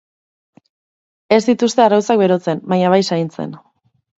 Ez dituzte arrautzak berotzen, baina bai zaintzen.